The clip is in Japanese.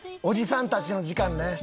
おじさんたちの時間ね。